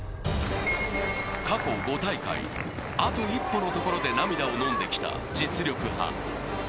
過去５大会、あと一歩のところで涙を飲んできた実力派。